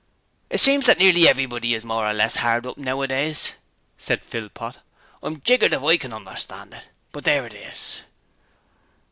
'It seems that nearly everybody is more or less 'ard up nowadays,' said Philpot. 'I'm jiggered if I can understand it, but there it is.'